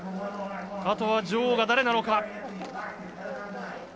あとは女王が誰なのか。